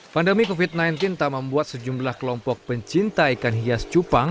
pandemi covid sembilan belas tak membuat sejumlah kelompok pencinta ikan hias cupang